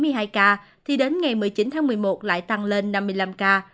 tăng lên bốn mươi hai ca thì đến ngày một mươi chín tháng một mươi một lại tăng lên năm mươi năm ca